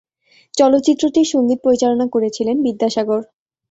চলচ্চিত্রটির সঙ্গীত পরিচালনা করেছিলেন বিদ্যাসাগর।